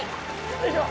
よいしょ。